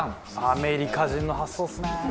アメリカ人の発想ですね。